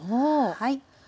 はい。